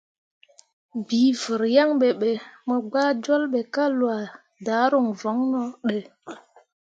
Bii vər yaŋ ɓe be, mo gbah jol ɓe ka lwa daruŋ voŋno də.